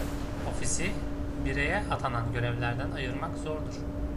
Ofisi bireye atanan görevlerden ayırmak zordur.